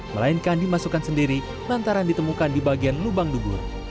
melainkan dimasukkan sendiri lantaran ditemukan di bagian lubang dubur